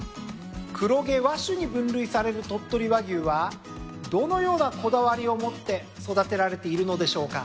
黒毛和種に分類される鳥取和牛はどのようなこだわりを持って育てられているのでしょうか。